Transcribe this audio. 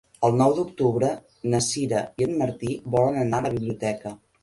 El nou d'octubre na Sira i en Martí volen anar a la biblioteca.